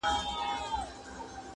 تېرومه ژوند د دې ماښام په تمه,